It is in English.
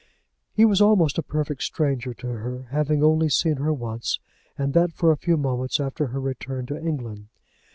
He was almost a perfect stranger to her, having only seen her once and that for a few moments after her return to England.